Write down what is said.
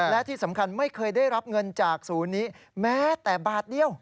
และที่สำคัญไม่เคยได้รับเงินจากศูนย์นี้แม้แต่บาทเดียว